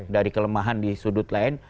dari kelemahan di sudut lain